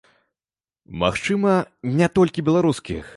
Магчыма, не толькі беларускіх.